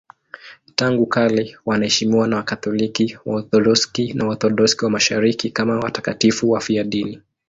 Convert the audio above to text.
Tangu kale wanaheshimiwa na Wakatoliki, Waorthodoksi na Waorthodoksi wa Mashariki kama watakatifu wafiadini.